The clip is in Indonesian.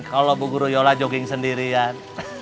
kalau bu guru yola jogging sendirian